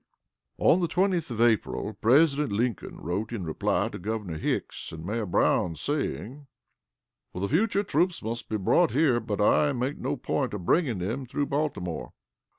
On the 20th of April President Lincoln wrote in reply to Governor Hicks and Mayor Brown, saying, "For the future, troops must be brought here, but I make no point of bringing them through Baltimore."